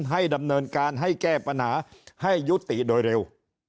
ให้ดำเนินการให้แก้ปัญหาให้ยุติโดยเร็ว